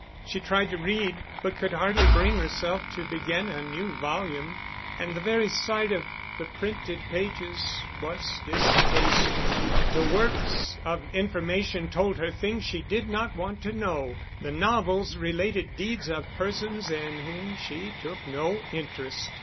She tried to read, but could hardly bring herself to begin a new volume, and the very sight of the printed pages was distasteful: the works of information told her things she did not want to know, the novels related deeds of persons in whom she took no interest.